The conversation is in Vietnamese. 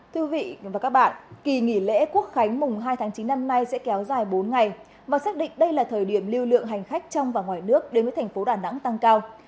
thưa quý vị và các bạn kỳ nghỉ lễ quốc khánh mùng hai tháng chín năm nay sẽ kéo dài bốn ngày và xác định đây là thời điểm lưu lượng hành khách trong và ngoài nước đến với thành phố đà nẵng tăng cao